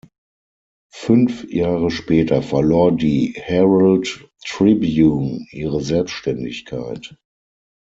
Fünf Jahre später verlor die "Herald Tribune" ihre Selbstständigkeit.